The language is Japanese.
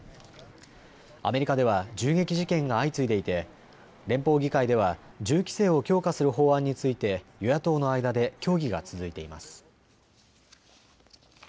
アメリカでは銃撃事件が相次いでいて連邦議会では銃規制を強化する法案について与野党の間で協議が続いています。